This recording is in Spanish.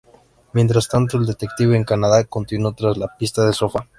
Mientras tanto, el detective, en Canadá, continúa tras la pista del sofá.